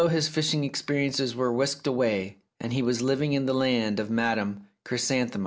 his fishing experi ences were whisked away, and he was living in the land of Madame Chrysantheme.